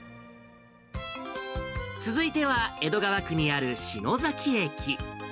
続いては、江戸川区にある篠崎駅。